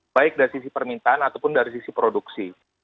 baik dari sisi permintaan ataupun dari sisi produksi